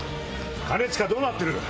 兼近どうなってる？